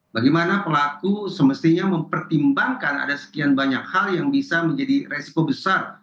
bagaimana pelaku semestinya mempertimbangkan ada sekian banyak hal yang bisa menjadi resiko besar